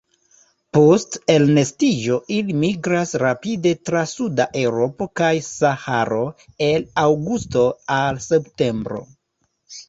Post elnestiĝo ili migras rapide tra suda Eŭropo kaj Saharo el aŭgusto al septembro.